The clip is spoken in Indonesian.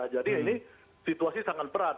jadi ini situasi sangat berat